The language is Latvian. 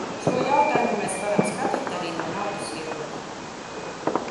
Šo jautājumu mēs varam skatīt arī no naudas viedokļa.